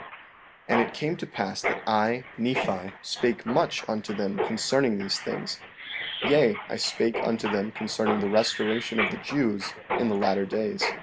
15:19 And it came to pass that I, Nephi, spake much unto them concerning these things; yea, I spake unto them concerning the restoration of the Jews in the latter days.